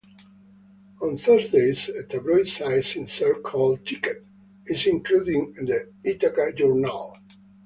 On Thursdays a tabloid-sized insert called "Ticket" is included in "The Ithaca Journal".